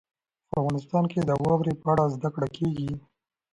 په افغانستان کې د واورې په اړه زده کړه کېږي.